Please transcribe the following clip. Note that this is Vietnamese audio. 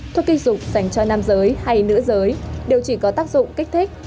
thuốc kinh dục dành cho nam giới hay nữ giới đều chỉ có tác dụng kích thích